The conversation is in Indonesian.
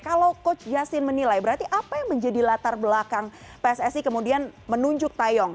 kalau coach justin menilai berarti apa yang menjadi latar belakang pssi kemudian menunjuk tayong